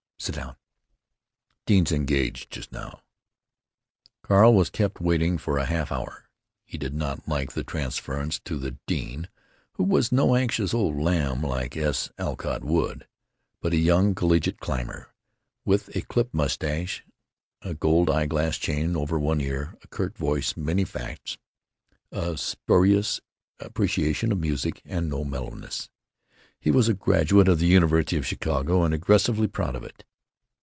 Sit down. Dean's engaged just now." Carl was kept waiting for a half hour. He did not like the transference to the dean, who was no anxious old lamb like S. Alcott Wood, but a young collegiate climber, with a clipped mustache, a gold eye glass chain over one ear, a curt voice, many facts, a spurious appreciation of music, and no mellowness. He was a graduate of the University of Chicago, and aggressively proud of it.